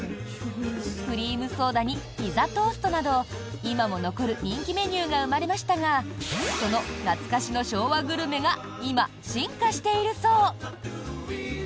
クリームソーダにピザトーストなど今も残る人気メニューが生まれましたがその懐かしの昭和グルメが今、進化しているそう。